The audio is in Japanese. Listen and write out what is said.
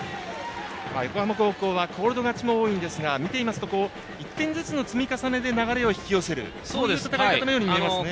横浜高校はコールド勝ちも多いですが見ていますと１点ずつの積み重ねで流れを引き寄せるという戦い方に見えますね。